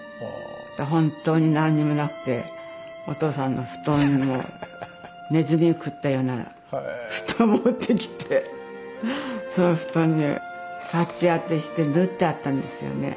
本当に何にもなくておとうさんの布団もネズミが食ったような布団を持ってきてその布団にパッチあてして縫ってあったんですよね。